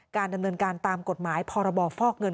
ดำเนินการตามกฎหมายพรบฟอกเงิน